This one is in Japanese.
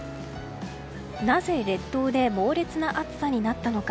なぜ列島で猛烈な暑さになったのか。